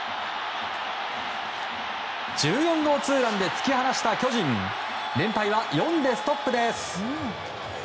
１４号ツーランで突き放した巨人、連敗は４でストップです。